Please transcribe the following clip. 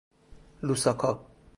لوساکا